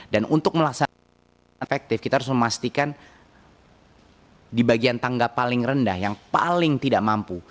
dan untuk melaksanakan efektif kita harus memastikan di bagian tangga paling rendah yang paling tidak mampu